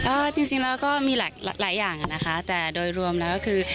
จริงจริงแล้วก็มีหลายหลายอย่างอ่ะนะคะแต่โดยรวมแล้วก็คือ